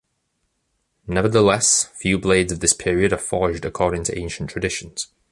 Nevertheless, few blades of this period are forged according to ancient traditions.